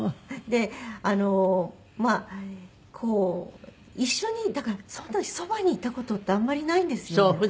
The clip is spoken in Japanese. であのまあこう一緒にだからそんなにそばにいた事ってあんまりないんですよね。